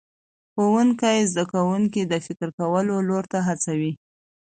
ښوونکی زده کوونکي د فکر کولو لور ته هڅوي